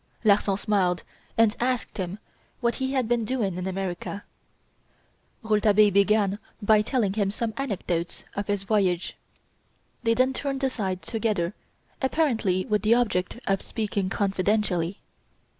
Larsan smiled and asked him what he had been doing in America, Rouletabille began by telling him some anecdotes of his voyage. They then turned aside together apparently with the object of speaking confidentially.